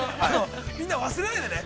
◆みんな忘れないでね。